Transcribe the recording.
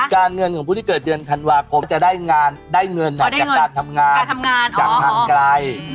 เงินของผู้ที่เกิดเดือนธันวาคมจะได้เงินจากการทำงานจากทางไกล